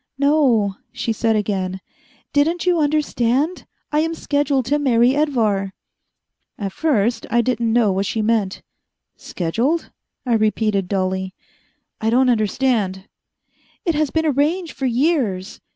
"No," she said again, "didn't you understand? I am scheduled to marry Edvar." At first I didn't know what she meant. "Scheduled?" I repeated dully. "I don't understand." "It has been arranged for years.